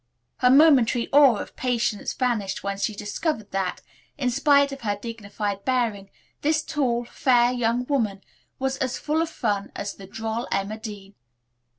Her momentary awe of Patience vanished when she discovered that, in spite of her dignified bearing, this tall, fair young woman was as full of fun as the droll Emma Dean.